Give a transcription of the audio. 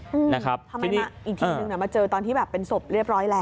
อืมทำไมเป็นเหมือนอีกทีหนึ่งมาเจอตอนที่มีศพเรียบร้อยแล้ว